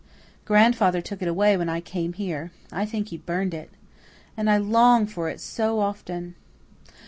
"Grandfather took it away when I came here. I think he burned it. And I long for it so often."